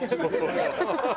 ハハハハ！